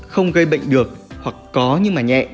không gây bệnh được hoặc có nhưng nhẹ